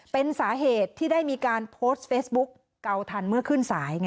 เป็นสาเหตุที่ได้มีการโพสต์เฟซบุ๊กเกาทันเมื่อขึ้นสาย